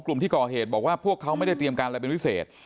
กลุ่มที่ก่อเหตุบอกว่าพวกเขาไม่ได้เตรียมการอะไรเป็นพิเศษ